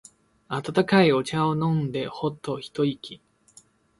温かいお茶を飲んでホッと一息。